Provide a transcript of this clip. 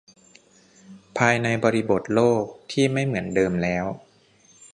ภายในบริบทโลกที่ไม่เหมือนเดิมแล้ว